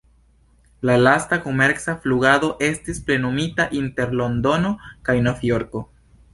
La lasta komerca flugado estis plenumita inter Londono kaj Nov-Jorko.